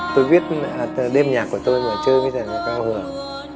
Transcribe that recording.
tôi viết đêm nhạc của tôi mà chơi với thầy trang hưởng